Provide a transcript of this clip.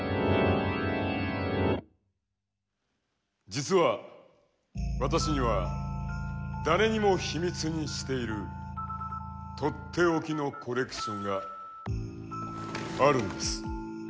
実は私には誰にも秘密にしているとっておきのコレクションがあるんです。